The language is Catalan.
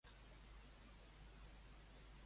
Quin càrrec va tenir Francisco De la Torre?